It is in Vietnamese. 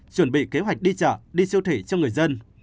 chuẩn bị kế hoạch đi chợ đi siêu thể cho người dân